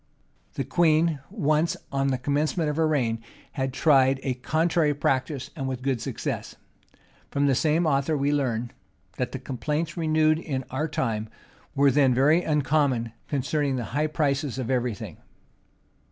The queen once, on the commencement of her reign, had tried a contrary practice, and with good success. From the same author we learn, that the complaints renewed in our time were then very common, concerning the high prices of every thing.